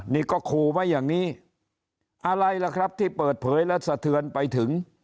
นี่ก็ขู่ไว้อย่างนี้อะไรล่ะครับที่เปิดเผยและสะเทือนไปถึง